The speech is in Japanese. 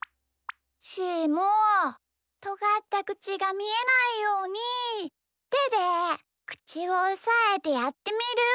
しーもとがったくちがみえないようにてでくちをおさえてやってみる。